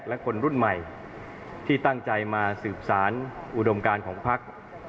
และคนรุ่นใหม่ที่ตั้งใจมาสืบสารอุดมการของพัก